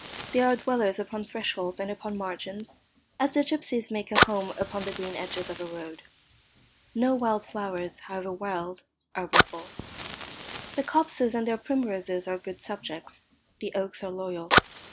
They are dwellers upon thresholds and upon margins, as the gipsies make a home upon the green edges of a road. No wild flowers, however wild, are rebels. The copses and their primroses are good subjects, the oaks are loyal.